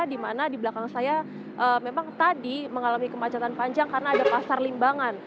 di mana di belakang saya memang tadi mengalami kemacetan panjang karena ada pasar limbangan